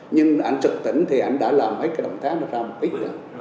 nhưng anh sực tỉnh thì anh đã làm mấy cái động tác ra một ít